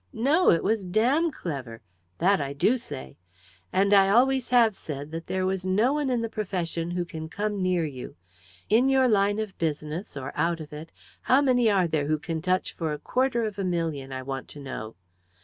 No, it was damn clever! that I do say. And I always have said that there was no one in the profession who can come near you. In your line of business, or out of it, how many are there who can touch for a quarter of a million, I want to know?